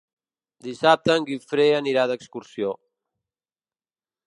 Dissabte en Guifré anirà d'excursió.